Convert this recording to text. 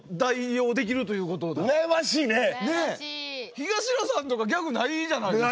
東野さんとかギャグないじゃないですか。